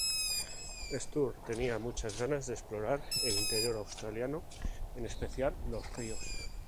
Sturt tenía muchas ganas de explorar el interior australiano, en especial los ríos.